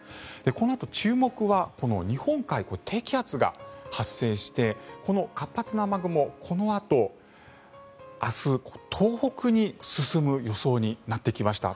このあと、注目は日本海、低気圧が発生してこの活発な雨雲、このあと明日、東北に進む予想になってきました。